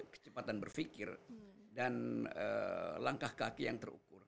kecepatan berpikir dan langkah kaki yang terukur